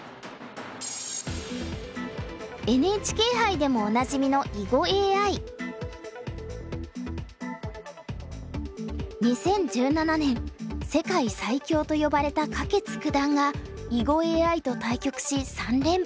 ＮＨＫ杯でもおなじみの２０１７年世界最強と呼ばれた柯潔九段が囲碁ＡＩと対局し３連敗。